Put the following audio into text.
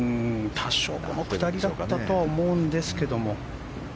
多少、この下りだったとは思うんですけども。